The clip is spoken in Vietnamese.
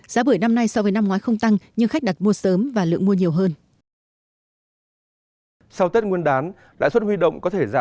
giá bưởi năm nay so với năm ngoái không tăng nhưng khách đặt mua sớm và lượng mua nhiều hơn